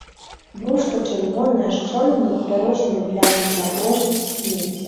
Брушка чырвонае з чорнымі папярочнымі плямамі на кожным сегменце.